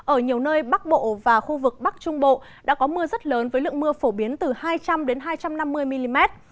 ở nhiều nơi bắc bộ và khu vực bắc trung bộ đã có mưa rất lớn với lượng mưa phổ biến từ hai trăm linh hai trăm năm mươi mm